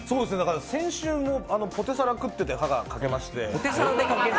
先週もポテサラ食ってて歯が欠けまして。